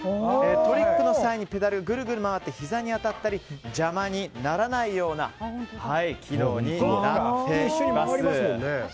トリックの際にペダル、ぐるぐる回ってひざに当たったり邪魔にならないような機能になっています。